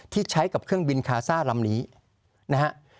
ที่ใช้กับเครื่องบินคาซ่าลำนี้นะฮะ